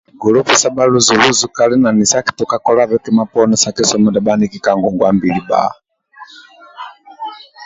Gulupu sabha luzu-luzu kali na nesi akitoka kolabe kima poni sa kisomo ndia bhaniki ka ngongua mbili bba